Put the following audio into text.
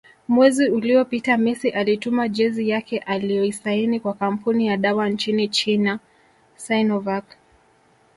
Mwezi uliopita Messi alituma jezi yake alioisaini kwa kampuni ya dawa nchini China Sinovac